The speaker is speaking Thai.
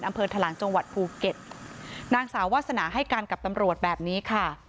ทะลังจังหวัดภูเก็ตนางสาววาสนาให้การกับตำรวจแบบนี้ค่ะ